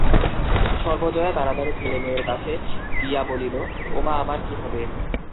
সর্বজয়া তাড়াতাড়ি ছেলে-মেয়ের কাছে গিয়া বলিল, ওমা আমার কি হবে।